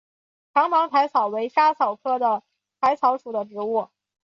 长芒薹草为莎草科薹草属的植物。